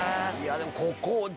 でもここを。